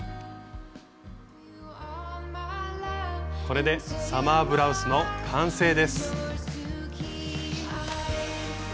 これでサマーブラウスの完成です。